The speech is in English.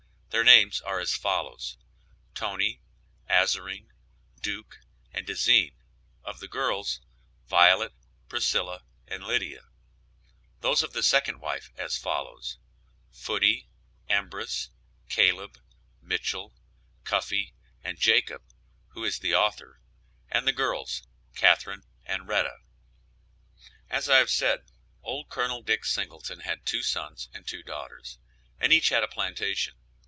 Their names are as follows: Toney, Azerine, Duke and Dezine, of the girls, Violet, Priscilla and Lydia; those of the second wife as follows: Footy, Embrus, Caleb, Mitchell, Cuffee, and Jacob, who is the author, and the girls, Catherine and Retta. As I have said, old Col. Dick Singleton had two sons and two daughters, and each had a plantation.